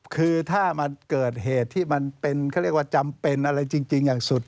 คือถ้ามาเกิดเหตุที่มันเป็นเขาเรียกว่าจำเป็นอะไรจริงอย่างสุด